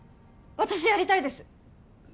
私やりたいです